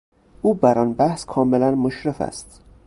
او بر آن بحث کاملا مشرف است